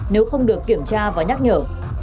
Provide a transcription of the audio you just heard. nếu không được kiểm tra và nhắc nhở